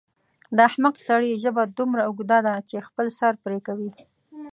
د احمق سړي ژبه دومره اوږده ده چې خپل سر پرې کوي.